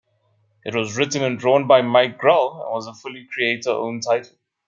It was written and drawn by Mike Grell and was a fully creator-owned title.